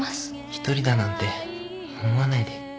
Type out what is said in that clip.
一人だなんて思わないでくださいね。